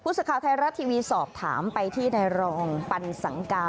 สักข่าวไทยรัฐทีวีสอบถามไปที่ในรองปันสังกา